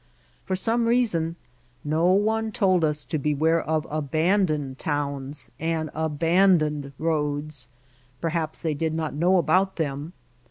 For some reason no one told us to beware of abandoned towns and abandoned roads, perhaps they did not know about them.